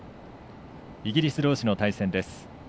イギリスどうしの対戦です。